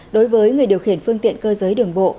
đối với người điều khiển phương tiện cơ giới đường bộ